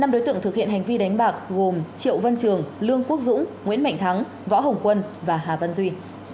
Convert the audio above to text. năm đối tượng thực hiện hành vi đánh bạc gồm triệu văn trường lương quốc dũng nguyễn mạnh thắng võ hồng quân và hà văn duy